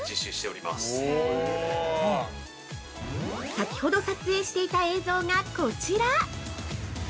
◆先ほど撮影していた映像がこちら。